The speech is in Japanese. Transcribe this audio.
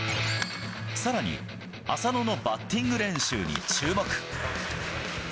さらに、浅野のバッティング練習に注目。